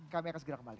kami akan segera kembali